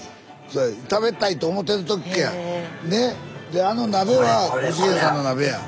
であの鍋は具志堅さんの鍋や。